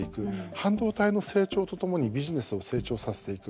半導体の成長と共にビジネスを成長させていく。